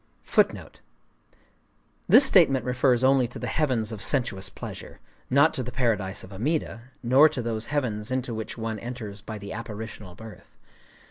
This statement refers only to the Heavens of Sensuous Pleasure,—not to the Paradise of Amida, nor to those heavens into which one enters by the Apparitional Birth.